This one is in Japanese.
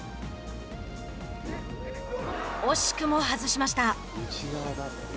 惜しくも外しました。